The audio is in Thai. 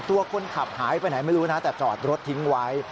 ตัวคนขับหายไปไหนไม่รู้นะแต่จอดรถทิ้งไว้